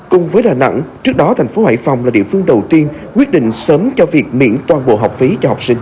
cùng với đà nẵng trước đó thành phố hải phòng là địa phương đầu tiên quyết định sớm cho việc miễn toàn bộ học phí cho học sinh